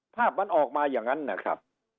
ภาพมันออกมาอย่างนั้นนะครับ